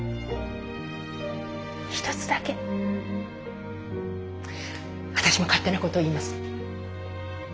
一つだけ私も勝手なことを言います。